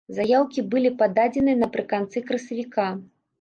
Заяўкі былі пададзеныя напрыканцы красавіка.